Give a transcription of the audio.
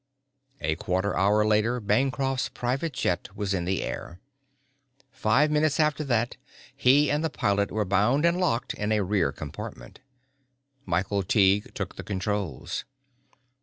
A quarter hour later Bancroft's private jet was in the air. Five minutes after that he and the pilot were bound and locked in a rear compartment. Michael Tighe took the controls.